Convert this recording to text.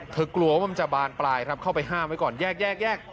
กลัวว่ามันจะบานปลายครับเข้าไปห้ามไว้ก่อนแยกแยก